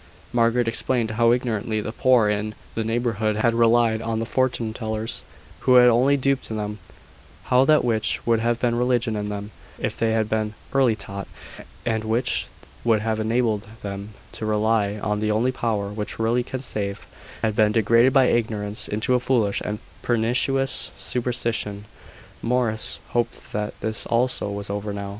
Margaret explained how ignorantly the poor in the neighbourhood had relied on the fortune tellers, who had only duped them; how that which would have been religion in them if they had been early taught, and which would have enabled them to rely on the only power which really can save, had been degraded by ignorance into a foolish and pernicious superstition. Morris hoped that this also was over now.